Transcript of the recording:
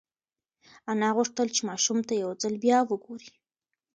انا غوښتل چې ماشوم ته یو ځل بیا وگوري.